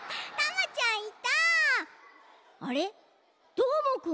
どーもくん？